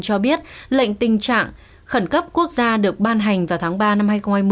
cho biết lệnh tình trạng khẩn cấp quốc gia được ban hành vào tháng ba năm hai nghìn hai mươi